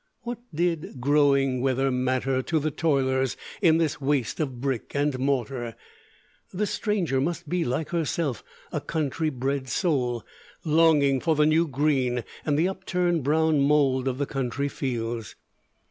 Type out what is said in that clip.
What did "groing weather" matter to the toilers in this waste of brick and mortar? This stranger must be, like herself, a country bred soul, longing for the new green and the upturned brown mold of the country fields.